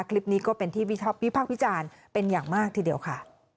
คลิปนี้ก็เป็นที่วิพากษ์วิจารณ์เป็นอย่างมากทีเดียวค่ะ